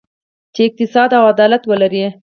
چې اقتصاد او عدالت ولري.